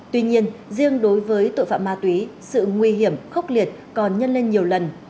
tuy nhiên riêng đối với tội phạm ma túy sự nguy hiểm khốc liệt còn nhân lên nhiều lần